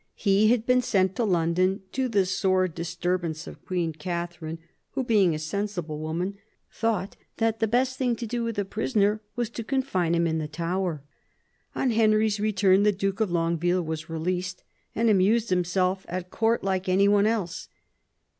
He had been sent to London, to the sore disturb ance of Queen Katharine, who, being a sensible woman, thought that the best thing to do with a prisoner was to confine him in the Tower. On Henry's return the Duke of Longueville was released, and amused himself at Court like any one else.